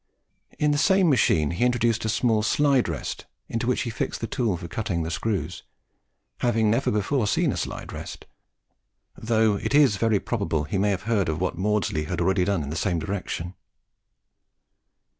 In the same machine he introduced a small slide rest, into which he fixed the tool for cutting the screws, having never before seen a slide rest, though it is very probable he may have heard of what Maudslay had already done in the same direction.